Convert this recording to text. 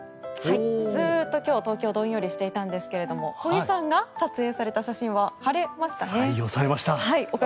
ずっと今日、東京はどんよりしていたんですが小木さんが撮影された写真は採用されましたか？